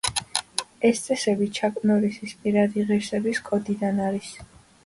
ეს წესები ჩაკ ნორისის პირადი ღირსების კოდიდან არის.